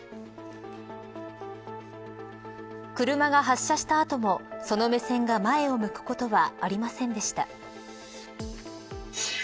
車が発車した後もその目線が前を向くことはありませんでした。